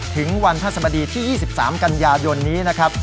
ถึงวันพระสมดีที่๒๓กันยายนนี้นะครับ